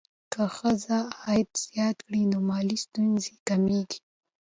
که ښځه عاید زیات کړي، نو مالي ستونزې کمېږي.